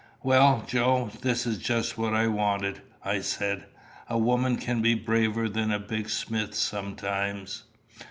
"Well, Joe, this is just what I wanted," I said. "A woman can be braver than a big smith sometimes.